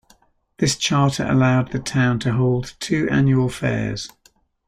This charter allowed the town to hold two annual fairs.